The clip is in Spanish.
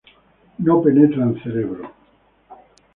No penetra en cerebro.